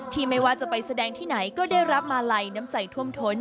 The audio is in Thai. ไม่ว่าจะไปแสดงที่ไหนก็ได้รับมาลัยน้ำใจท่วมท้น